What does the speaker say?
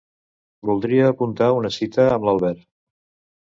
Voldria apuntar una cita amb l'Albert.